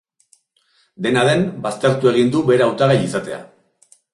Dena den, baztertu egin du bera hautagai izatea.